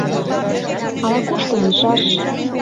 — Ала-кушто лийшаш.